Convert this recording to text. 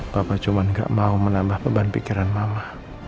bapak cuma gak mau menambah beban pikiran mama